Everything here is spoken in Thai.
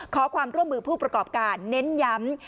ขอความร่วมมือผู้ประกอบการเน้นย้ำ